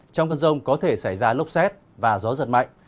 trong cơn rông có thể xảy ra lốc xét và gió giật mạnh